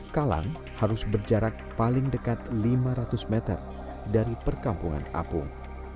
kalang harus berjarak paling dekat lima ratus meter dari perkampungan apung